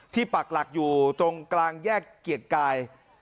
ปักหลักอยู่ตรงกลางแยกเกียรติกาย